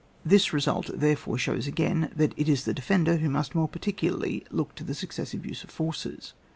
This result therefore shows again that it is the defender who must more particularly look to the successive use of forces.